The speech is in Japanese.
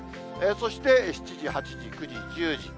そして７時、８時、９時、１０時。